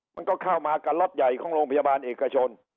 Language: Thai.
มันก็เข้ามากับล็อตใหญ่ของโรงพยาบาลเอกชน